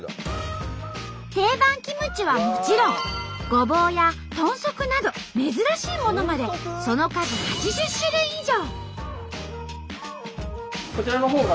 定番キムチはもちろんごぼうや豚足など珍しいものまでその数８０種類以上！